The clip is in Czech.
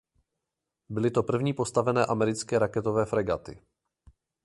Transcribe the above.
Byly to první postavené americké raketové fregaty.